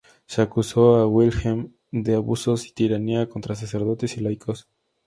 Se acusó a Wilhelm de abusos y tiranía contra sacerdotes y laicos.